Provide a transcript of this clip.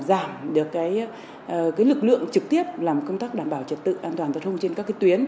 giảm được lực lượng trực tiếp làm công tác đảm bảo trật tự an toàn giao thông trên các tuyến